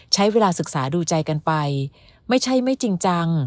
ใช้เวลาศึกษาดูใจกันไปไม่ใช่ไม่จริงจัง